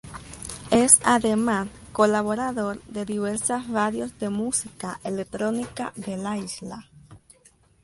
Es además, colaborador de diversas radios de música electrónica de la isla.